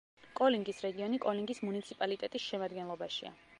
კოლინგის რეგიონი კოლინგის მუნიციპალიტეტის შემადგენლობაშია.